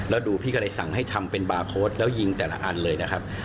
แล้วดูพี่ก็เลยสั่งให้ทำเป็นบาร์โค้ดแล้วยิงแต่ละอันเลยนะครับ